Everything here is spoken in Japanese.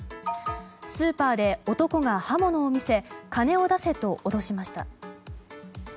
スーパーで、男が刃物を見せ金を出せと脅しました。